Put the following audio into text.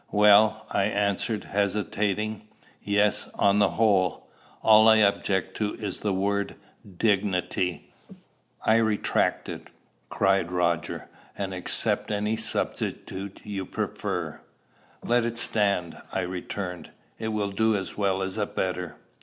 "Well," I answered, hesitating "yes, on the whole. All I object to is the word dignity." "I retract it," cried Roger, "and accept any substitute you prefer." "Let it stand," I returned. "It will do as well as a better.